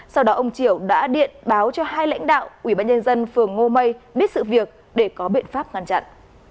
sau đó ông chiểu đã điện báo cho hai lãnh đạo ủy ban nhân dân phường ngô mây biết sự việc để có biện pháp ngăn chặn